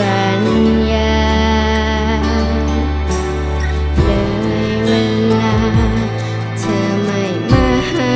สัญญาเลยเวลาเธอไม่มาหา